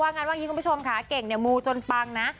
ว่างั้นว่างี้คุณผู้ชมขาเก่งเนี่ยมูจนปังนะ